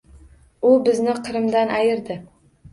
U bizni Qrimdan ayirdi.